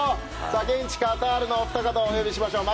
現地カタールのお二方をお呼びしましょう。